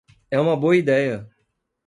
É uma boa ideia!